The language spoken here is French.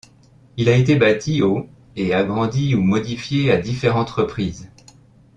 Il a été bâti au et agrandi ou modifié à différentes reprises.